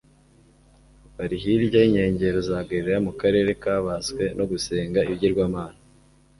Bari hirya y'inkengero za Galilaya mu karere kabaswe no gusenga ibigirwamana.